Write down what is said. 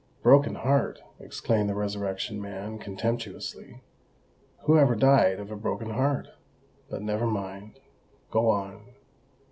"Broken heart!" exclaimed the Resurrection Man contemptuously: "who ever died of a broken heart? But never mind—go on."